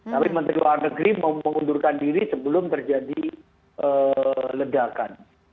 tapi menteri luar negeri mau mengundurkan diri sebelum terjadi ledakan